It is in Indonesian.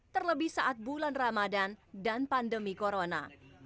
terlebih saat bulan ramadan dan pandemi corona